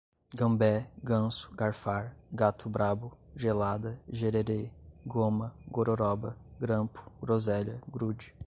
gambé, ganso, garfar, gato brabo, gelada, gererê, goma, gororóba, grampo, groselha, grude